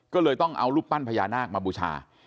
ก็เลยต้องเอารูปปั้นพญานาคมาบูชา